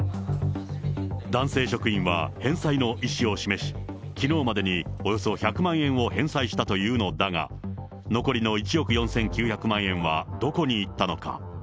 男性職員は返済の意思を示し、きのうまでにおよそ１００万円を返済したというのだが、残りの１億４９００万円はどこに行ったのか。